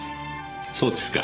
そうですか。